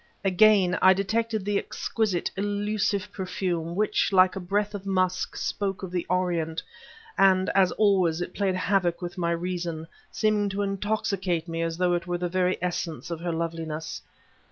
Again I detected the exquisite, elusive perfume, which, like a breath of musk, spoke of the Orient; and, as always, it played havoc with my reason, seeming to intoxicate me as though it were the very essence of her loveliness.